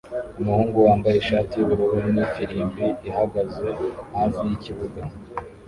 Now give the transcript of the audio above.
Umuhungu wambaye ishati yubururu nifirimbi ihagaze hafi yikiyaga